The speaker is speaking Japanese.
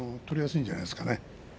取りやすいんじゃないですかね。